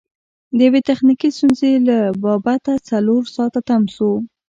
د یوې تخنیکي ستونزې له با بته څلور ساعته تم سو.